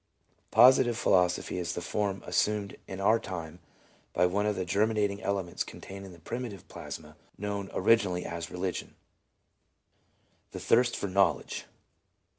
Positive philosophy is the form assumed in our time by one of the germinating elements contained in the primitive plasma known originally as Religion ; the thirst for knowledge.